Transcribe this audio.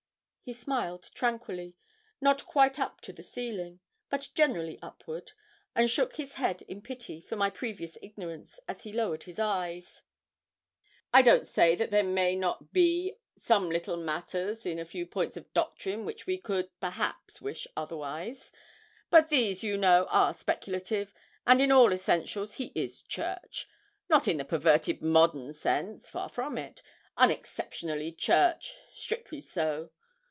He smiled tranquilly, not quite up to the ceiling, but gently upward, and shook his head in pity for my previous ignorance, as he lowered his eyes 'I don't say that there may not be some little matters in a few points of doctrine which we could, perhaps, wish otherwise. But these, you know, are speculative, and in all essentials he is Church not in the perverted modern sense; far from it unexceptionably Church, strictly so.